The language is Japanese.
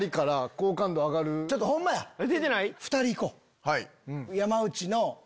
２人いこう！